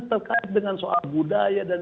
terkait dengan soal budaya dan